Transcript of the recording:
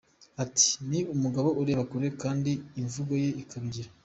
Ati “ Ni umugabo ureba kure kandi imvugo ye ikaba ingiro”.